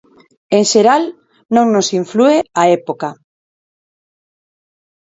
En xeral, non nos inflúe a época.